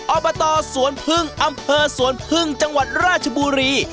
อบตสวนพึ่งอำเภอสวนพึ่งจังหวัดราชบุรี